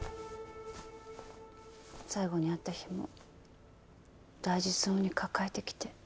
最後に会った日も大事そうに抱えてきて。